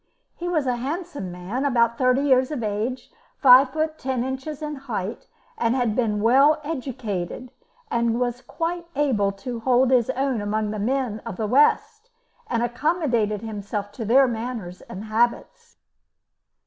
He was a handsome man, about thirty years of age, five feet ten inches in height, had been well educated, was quite able to hold his own among the men of the West, and accommodated himself to their manners and habits.